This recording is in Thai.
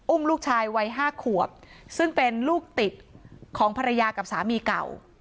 ลูกชายวัย๕ขวบซึ่งเป็นลูกติดของภรรยากับสามีเก่า